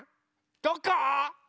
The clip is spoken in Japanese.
どこ？